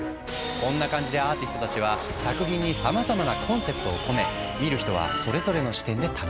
こんな感じでアーティストたちは作品にさまざまなコンセプトを込め見る人はそれぞれの視点で楽しむ。